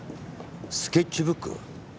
スケッチブック？